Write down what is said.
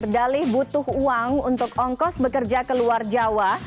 dali butuh uang untuk ongkos bekerja ke luar jawa